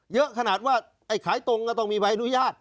เยอะขนาดว่าไอ้ขายตรงก็ต้องมีใบอนุญาต